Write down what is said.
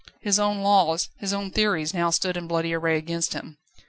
His own laws, his own theories now stood in bloody array against him.